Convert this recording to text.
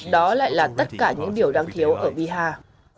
đó lại là tất cả những điều đang thiếu ở biha